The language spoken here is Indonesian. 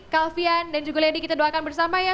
kalvian dan juga lady kita doakan bersama ya